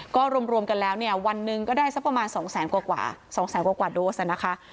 ก็รวมกันแล้วเนี่ยวันหนึ่งก็ได้สักประมาณ๒แสนกว่า๒แสนกว่าโดสนะคะ